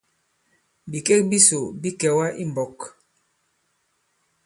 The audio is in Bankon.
Bikek bisò bi kɛ̀wà i mbɔk.